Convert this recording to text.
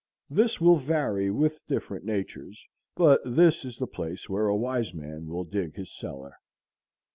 This will vary with different natures, but this is the place where a wise man will dig his cellar....